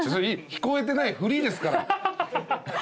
聞こえてないふりですから。